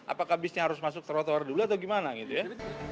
apakah bisnya harus masuk trotoar dulu atau gimana gitu ya